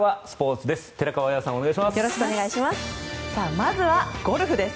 まずはゴルフです。